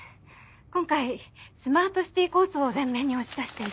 今回スマートシティー構想を全面に押し出して。